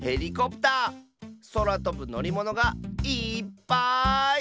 そらとぶのりものがいっぱい！